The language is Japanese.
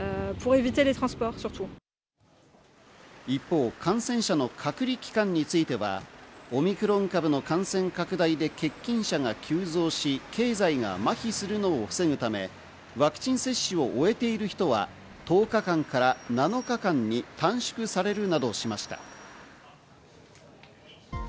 一方、感染者の隔離期間については、オミクロン株の感染拡大で欠勤者が急増し、経済が麻痺するのを防ぐためワクチン接種を終えている人は１０日間から７日間に短縮されるなどしました。